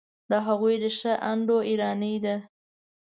د هغوی ریښه انډوایراني ده.